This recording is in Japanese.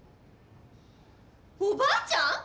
おばあちゃん